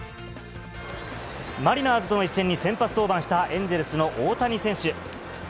マリナーズとの一戦に先発登板した、エンゼルスの大谷選手。